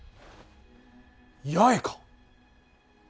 八重か。